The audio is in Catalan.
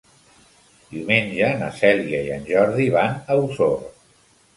Diumenge na Cèlia i en Jordi van a Osor.